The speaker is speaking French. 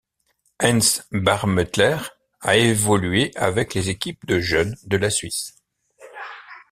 Heinz Barmettler a évolué avec les équipes de jeunes de la Suisse.